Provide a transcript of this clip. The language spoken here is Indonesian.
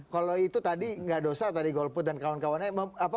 kalau itu tadi nggak dosa tadi golput dan kawan kawannya